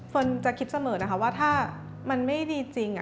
จะคิดเสมอนะคะว่าถ้ามันไม่ดีจริง